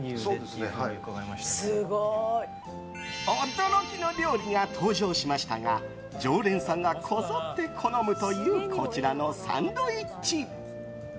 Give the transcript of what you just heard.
驚きの料理が登場しましたが常連さんがこぞって好むというこちらのサンドイッチ。